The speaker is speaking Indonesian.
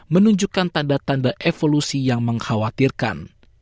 menunjukkan tanda tanda evolusi yang mengkhawatirkan